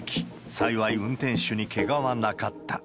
幸い運転手にけがはなかった。